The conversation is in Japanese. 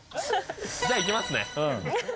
じゃいきますね。